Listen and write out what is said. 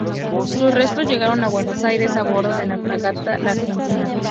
Sus restos llegaron a Buenos Aires a bordo de la fragata La Argentina.